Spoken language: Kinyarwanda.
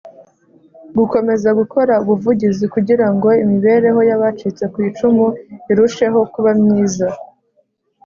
Gukomeza gukora ubuvugizi kugira ngo imibereho y’abacitse ku icumu irusheho kuba myiza